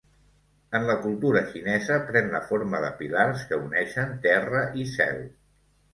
En la cultura xinesa pren la forma de pilars que uneixen Terra i Cel.